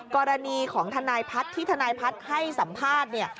กรณีของทนายพัฒที่ทนายพัฒให้สัมภาษณ์